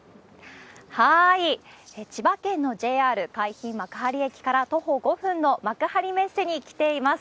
千葉県のＪＲ海浜幕張駅から徒歩５分の、幕張メッセに来ています。